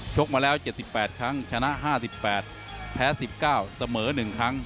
กมาแล้ว๗๘ครั้งชนะ๕๘แพ้๑๙เสมอ๑ครั้ง